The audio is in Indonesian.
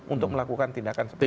untuk melakukan tindakan seperti itu